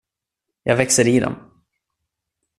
Jag växer i dem.